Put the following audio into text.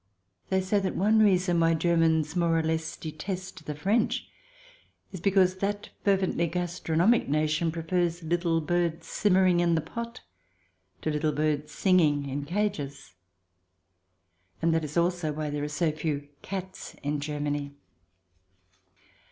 They say that one reason why Germans more or 10 THE DESIRABLE ALIEN [ch. i less detest the French, is because that fervently gastronomic nation prefers little birds simmering in the pot to little birds singing in cages. And that is also why there are so few cats in Germany.